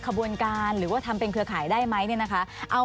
ขบวนการหรือว่าทำเป็นเครือข่ายได้ไหมเนี่ยนะคะ